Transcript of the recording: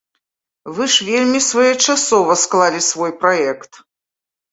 Вы ж вельмі своечасова склалі свой праект!